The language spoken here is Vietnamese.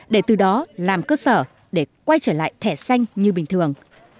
để từ đó làm cơ sở để quay trở lại thẻ xanh như bình thường